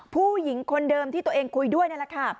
ผู้หญิงคนเดิมที่ตัวเองคุยด้วยนั่นแหละค่ะ